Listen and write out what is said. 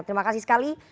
terima kasih sekali